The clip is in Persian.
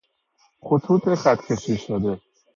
خطوط خط کشی شده